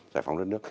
giải phóng đất nước